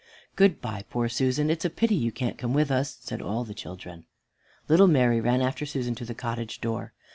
"Good by, poor Susan! It is a pity you can't come with us," said all the children. Little Mary ran after Susan to the cottage door.